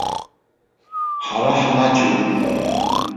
Ҳара ҳмаҷҩуп.